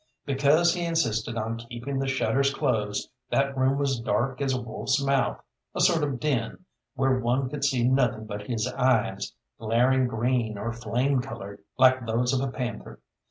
Because he insisted on keeping the shutters closed, that room was dark as a wolf's mouth a sort of den, where one could see nothing but his eyes, glaring green or flame coloured like those of a panther.